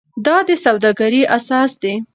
دا د سوداګرۍ اساس دی.